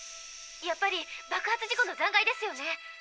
やっぱり爆発事故の残がいですよね？